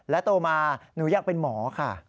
และโตมาหนุยักษ์เป็นหมอค่ะ